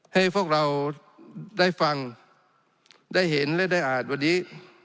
ให้พวกเราได้ฟังได้เห็นและได้อ่านวันนี้